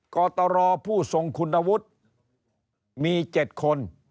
กตรผู้ทรงคุณวุฒิมี๗คน